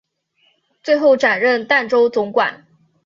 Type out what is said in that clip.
最后转任澶州总管。